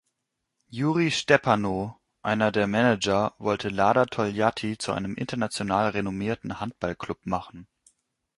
Juri Stepanow, einer der Manager, wollte Lada Toljatti zu einem international renommierten Handballclub machen.